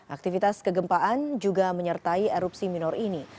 aktivitas kegempaan juga menyertai erupsi minor ini